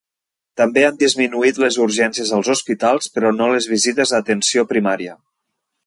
També han disminuït les urgències als hospitals, però no les visites a atenció primària.